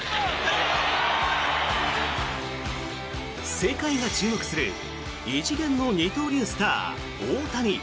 世界が注目する異次元の二刀流スター、大谷。